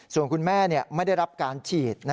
ส่วนคุณแม่ไม่ได้รับการฉีด